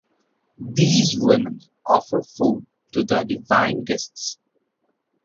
These women offer food to the divine guests.